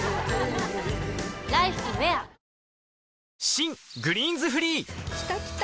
新「グリーンズフリー」きたきた！